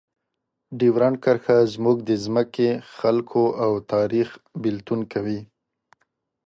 ډیورنډ کرښه زموږ د ځمکې، خلکو او تاریخ بېلتون کوي.